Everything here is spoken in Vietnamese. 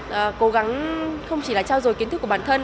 và cố gắng không chỉ là trao dồi kiến thức của bản thân